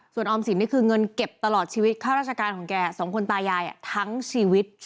ส่วนออมสินนี่คือเงินเก็บตลอดชีวิตค่าราชการของแกสองคนตายายทั้งชีวิต